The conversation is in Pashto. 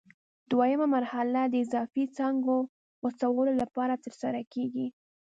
دوه یمه مرحله د اضافي څانګو غوڅولو لپاره ترسره کېږي.